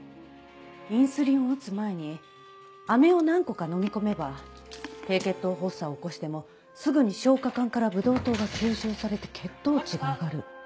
インスリンを打つ前にアメを何個かのみ込めば低血糖発作を起こしてもすぐに消化管からブドウ糖が吸収されて血糖値が上がる。